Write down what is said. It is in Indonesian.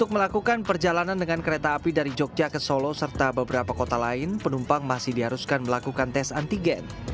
untuk melakukan perjalanan dengan kereta api dari jogja ke solo serta beberapa kota lain penumpang masih diharuskan melakukan tes antigen